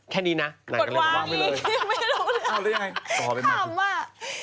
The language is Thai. แค่นี้น่ะแล้วก็เป็นไง